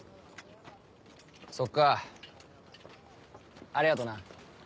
そっかありがとな。